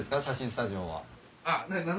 写真スタジオは。